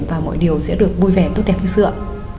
và mọi điều sẽ được vui vẻ tốt đẹp như xưa